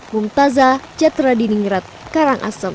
bung taza jatradiningrat karangasem